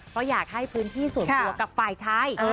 เพราะอยากให้พื้นที่ส่วนตัวกับฝ่ายชาย